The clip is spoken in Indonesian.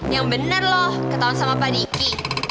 yang bener loh ketahuan sama pak diki